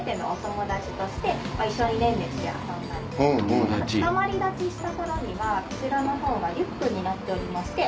つかまり立ちした頃にはこちらのほうがリュックになっておりまして。